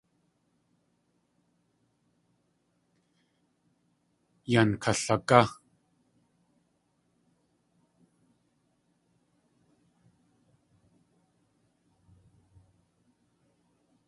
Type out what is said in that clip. Yan kalagá!